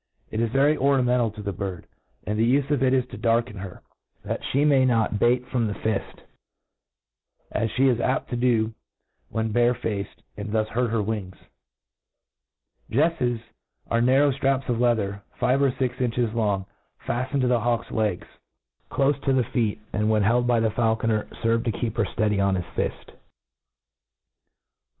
It is very ornamen tal to the bird ; and the ufc of it is to darken her^ that flie may not beat from the fift, as ihc is apt to da when bare*faced^ and thus hurt her wingSi Jesses; are narrow ftfaps of Itather, five or' fix inches longi fisiftcncd to the hawk's legS| clofe to tke fect^ and^ when held by the faul eoner^ fervc to keep her fteady on his fifti ,..